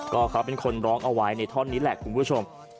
ก็เขาเป็นคนร้องเอาไว้ในท่อนนี้แหละคุณผู้ชม